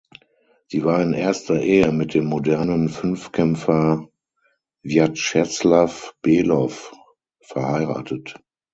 Sie war in erster Ehe mit dem Modernen Fünfkämpfer Wjatscheslaw Below verheiratet.